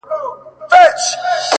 چي تا په گلابي سترگو پرهار پکي جوړ کړ’